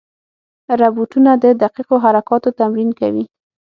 روبوټونه د دقیقو حرکاتو تمرین کوي.